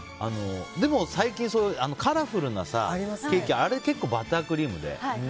でも最近、カラフルなケーキあれ結構バタークリームで。